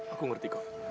aku ngerti kau